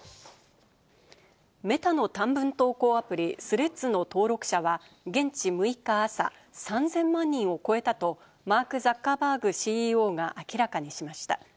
メタの短文投稿アプリ、スレッズの登録者は現地６日朝、３０００万人を超えたとマーク・ザッカーバーグＣＥＯが明らかにしました。